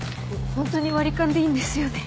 ホントに割り勘でいいんですよね？